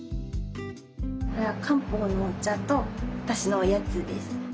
これは漢方のお茶と私のおやつです。